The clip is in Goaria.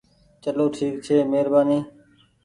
چلو ٺيڪ ڇي مهربآني ۔